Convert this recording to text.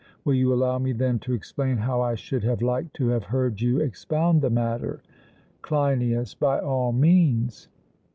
Will you allow me then to explain how I should have liked to have heard you expound the matter? CLEINIAS: By all means.